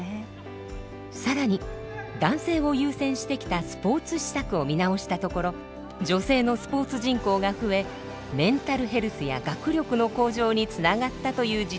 更に男性を優先してきたスポーツ施策を見直したところ女性のスポーツ人口が増えメンタルヘルスや学力の向上につながったという自治体もあります。